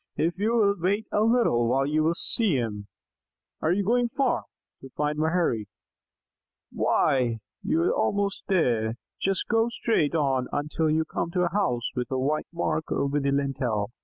If you will wait a little while you will see him. Are you going far? 'To find Maherry?' Why, you are almost there. Just go straight on until you come to a house with a white mark over the lintel.